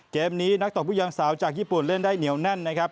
เกมนี้นักตบผู้ยางสาวจากญี่ปุ่นเล่นได้เหนียวแน่นนะครับ